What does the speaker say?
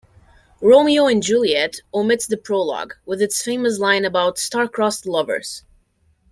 "Romeo and Juliet" omits the prologue, with its famous line about "star-crossed lovers".